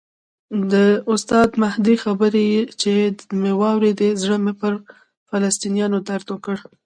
د استاد مهدي خبرې چې مې واورېدې زړه مې پر فلسطینیانو درد وکړ.